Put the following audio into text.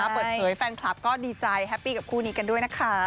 แฟนคลับก็ดีใจแฮปปี้กับคู่นี้กันด้วยนะคะ